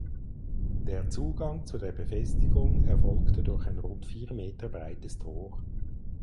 Der Zugang zu der Befestigung erfolgte durch ein rund vier Meter breites Tor.